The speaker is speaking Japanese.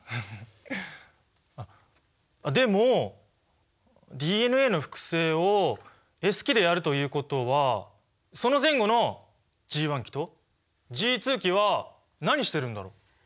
あっでもＤＮＡの複製をＳ期でやるということはその前後のＧ期とＧ期は何してるんだろう？